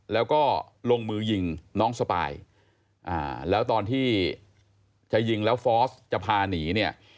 แล้วก็ลงมือยิงน้องสปายแล้วตอนที่จะยิงแล้วฟอร์สจะพาหนีเนี่ย